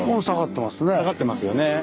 下がってますね。